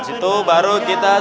itu baru kita